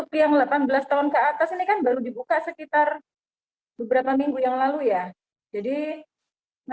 banyak sekali ya delapan belas tahun ke atas beberapa kali itu